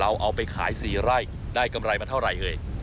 เอาไปขาย๔ไร่ได้กำไรมาเท่าไหร่เอ่ย